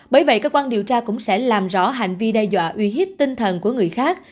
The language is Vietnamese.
bởi vậy cơ quan điều tra cũng sẽ làm rõ hành vi đe dọa uy hiếp tinh thần của người khác